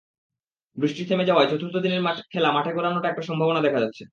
বৃষ্টি থেমে যাওয়ায় চতুর্থ দিনের খেলা মাঠে গড়ানোর একটা সম্ভাবনা দেখা যাচ্ছে।